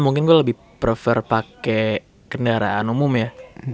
mungkin gue lebih prefer pake kendaraan umum ya